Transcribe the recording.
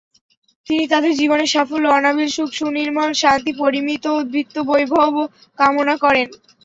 তিনি তাঁদের জীবনের সাফল্য, অনাবিল সুখ, সুনির্মল শান্তি, পরিমিত বিত্ত-বৈভব কামনা করেন।